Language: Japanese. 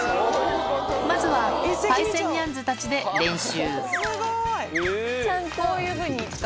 まずはパイセンニャンズたちで練習。